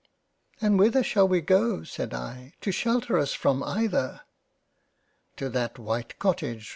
" And whither shall we go (said I) to shelter us from either." ?" To that white Cottage."